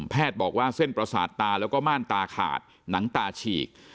บอกว่าเส้นประสาทตาแล้วก็ม่านตาขาดหนังตาฉีก